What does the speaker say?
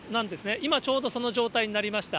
今ちょうどその状態になりました。